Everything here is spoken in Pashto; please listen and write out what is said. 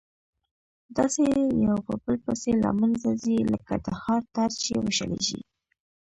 داسي يو په بل پسي له منځه ځي لكه د هار تار چي وشلېږي